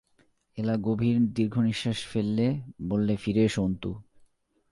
এলা গভীর দীর্ঘনিশ্বাস ফেললে, বললে, ফিরে এস অন্তু।